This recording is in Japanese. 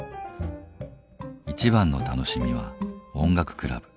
一番の楽しみは音楽クラブ。